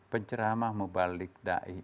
penceramah mubalik da'i